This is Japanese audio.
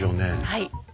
はい。